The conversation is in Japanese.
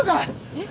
えっ？